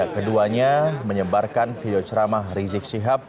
keduanya menyebarkan video ceramah rizik sihab